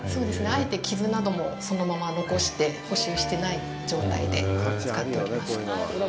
あえて傷などもそのまま残して、補修してない状態で使っております。